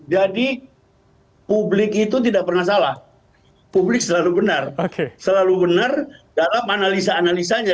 jadi publik itu tidak pernah salah publik selalu benar selalu benar dalam analisa analisa saja